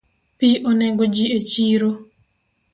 Pi onego ji echiro